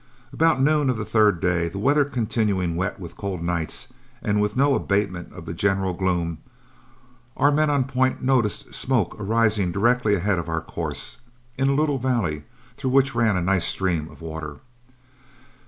About noon of the third day, the weather continuing wet with cold nights, and with no abatement of the general gloom, our men on point noticed smoke arising directly ahead on our course, in a little valley through which ran a nice stream of water.